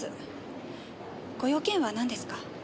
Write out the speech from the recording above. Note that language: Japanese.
ご用件はなんですか？